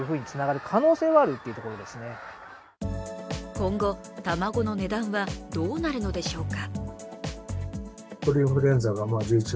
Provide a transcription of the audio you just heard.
今後、卵の値段はどうなるのでしょうか？